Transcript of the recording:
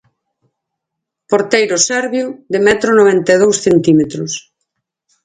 Porteiro serbio de metro noventa e dous centímetros.